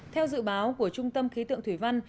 theo dự báo của trung tâm khí tượng thủy văn